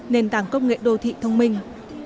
nền tảng công nghệ đô thị thông minh